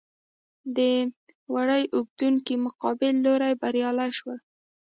د وړۍ اوبدونکو مقابل لوری بریالي شول.